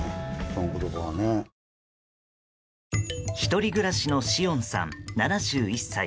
１人暮らしの紫苑さん７１歳。